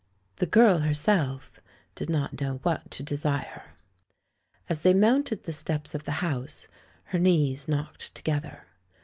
The girl herself did not know what to desire. As they mounted the steps of the house, her knees knocked together.